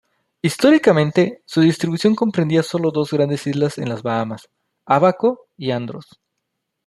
Históricamente su distribución comprendía sólo dos grandes islas en las Bahamas: Ábaco y Andros.